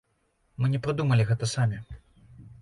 Мы не прыдумалі гэта самі.